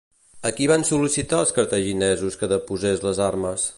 A qui van sol·licitar els cartaginesos que deposés les armes?